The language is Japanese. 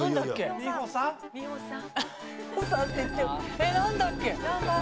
えっなんだっけ？